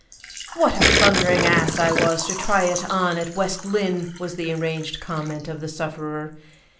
"What a thundering ass I was to try it on at West Lynne!" was the enraged comment of the sufferer.